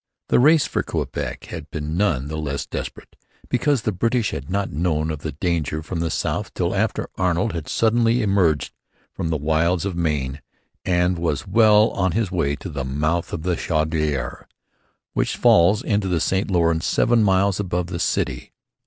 The race for Quebec had been none the less desperate because the British had not known of the danger from the south till after Arnold had suddenly emerged from the wilds of Maine and was well on his way to the mouth of the Chaudiere, which falls into the St Lawrence seven miles above the city.